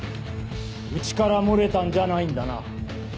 うちから漏れたんじゃないんだな？